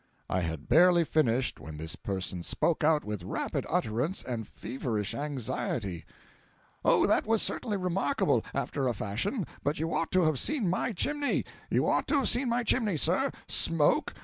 I had barely finished when this person spoke out with rapid utterance and feverish anxiety: "Oh, that was certainly remarkable, after a fashion, but you ought to have seen my chimney—you ought to have seen my chimney, sir! Smoke!